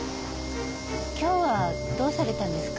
今日はどうされたんですか？